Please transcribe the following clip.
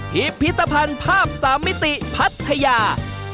พิพิธภัณฑ์ภาพ๓มิติพัทยา